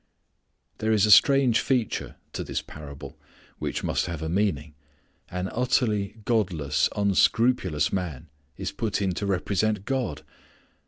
There is a strange feature to this parable, which must have a meaning. _An utterly godless unscrupulous man is put in to represent God!